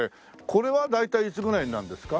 これは大体いつぐらいになるんですか？